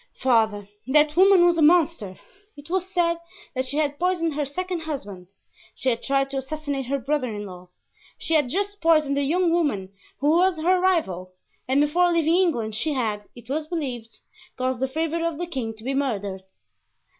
"Father, that woman was a monster. It was said that she had poisoned her second husband; she had tried to assassinate her brother in law; she had just poisoned a young woman who was her rival, and before leaving England she had, it was believed, caused the favorite of the king to be murdered."